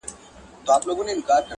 یو موږک دی چي په نورو نه ګډېږي،